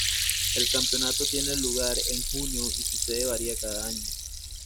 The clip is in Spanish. El campeonato tiene lugar en junio y su sede varía cada año.